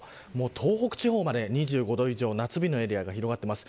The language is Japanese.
東北地方まで２５度以上夏日のエリアが広がっています。